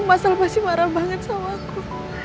mas al pasti marah banget sama aku